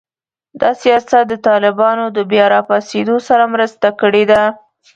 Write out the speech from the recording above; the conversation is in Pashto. دا سیاست د طالبانو د بیا راپاڅېدو سره مرسته کړې ده